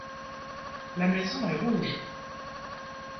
La maison est rouge.